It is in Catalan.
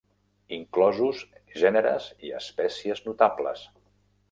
Inclosos gèneres i espècies notables.